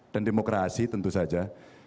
dan demokrasi tentu saja